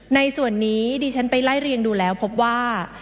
ในส่วนนี้ดิฉันไปไล่เรียงดูแล้วพบว่า